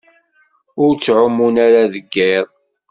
Ur ttɛumun ara deg iḍ.